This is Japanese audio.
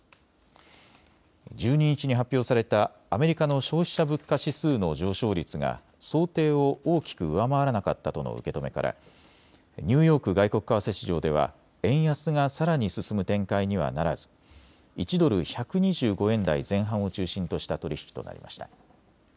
１２日に発表されたアメリカの消費者物価指数の上昇率が想定を大きく上回らなかったとの受け止めからニューヨーク外国為替市場では円安がさらに進む展開にはならず１ドル１２５円台前半を中心とした取り引きとなりました。